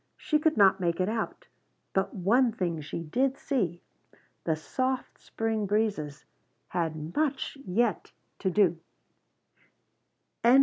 She could not make it out. But one thing she did see the soft spring breezes had much yet to do.